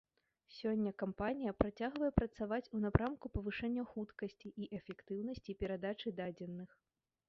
Сёння кампанія працягвае працаваць у напрамку павышэння хуткасці і эфектыўнасці перадачы дадзеных.